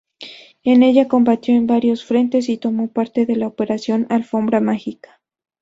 En ella combatió en varios frentes y tomó parte en la "Operación alfombra mágica".